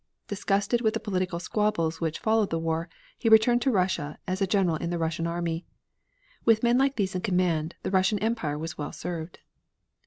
Disgusted with the political squabbles which followed the war, he returned to Russia as a general in the Russian army. With men like these in command, the Russian Empire was well served.